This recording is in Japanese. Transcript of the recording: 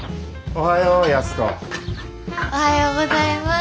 おはようございます。